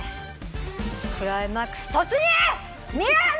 クライマックス突入‼見ろ